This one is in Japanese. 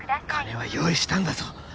金は用意したんだぞ